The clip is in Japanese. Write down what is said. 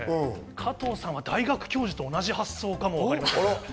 加藤さんは大学教授と同じ発想かもしれません。